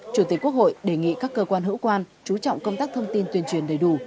chủ tịch quốc hội đề nghị các cơ quan hữu quan chú trọng công tác thông tin tuyên truyền đầy đủ